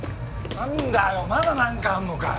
何だよまだ何かあんのかよ。